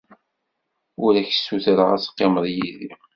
Ur ak-ssutreɣ ad teqqimed yid-i.